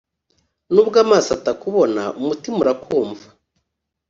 nubwo amaso atakubona umutima urakumva